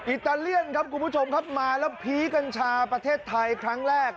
อิตาเลียนครับคุณผู้ชมครับมาแล้วผีกัญชาประเทศไทยครั้งแรก